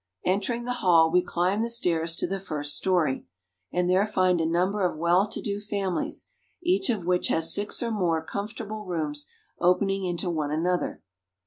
Entering the hall, we climb the stairs to the first story, BERLIN. 211 and there find a number of well to do families, each of which has six or more comfortable rooms opening into one another.